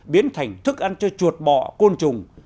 biến thành thức ăn cho chuột bọ côn trùng